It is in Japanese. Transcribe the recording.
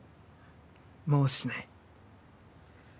もうしない。